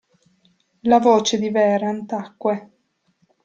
La voce di Vehrehan tacque.